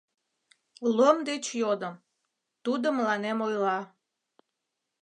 Лом деч йодым, тудо мыланем ойла: